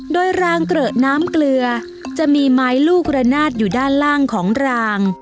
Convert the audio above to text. โดยรางเกรอะน้ำเกลือจะมีไม้ลูกระนาดอยู่ด้านล่างของราง